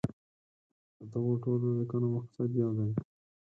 د دغو ټولو لیکنو مقصد یو دی.